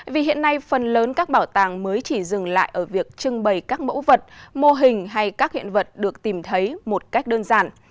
vì hiện nay phần lớn các bảo tàng mới chỉ dừng lại ở việc trưng bày các mẫu vật mô hình hay các hiện vật được tìm thấy một cách đơn giản